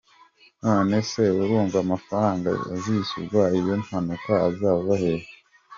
“None se urumva amafaranga azishyura iyo mpanuka azava hehe?